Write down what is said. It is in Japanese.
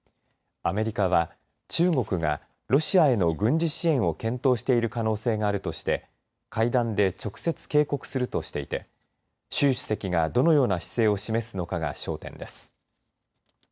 アメリカは、中国がロシアへの軍事侵攻を検討している可能性があるとして会談で直接警告するとしていて習主席が、どのような姿勢を示すのかが焦点です。